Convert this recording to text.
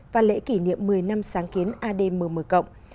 và lễ kỷ niệm một mươi năm sáng kiến adm một mươi